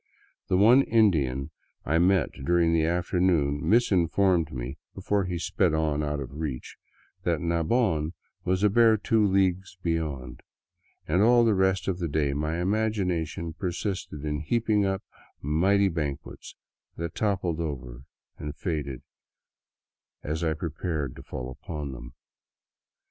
The one Indian I met during the afternoon mis informed me, before he sped on out of reach, that Nabon was a bare two leagues beyond; and all the rest of the day my imagination per sisted in heaping up mighty banquets that toppled over and faded away as I prepared to fall upon them.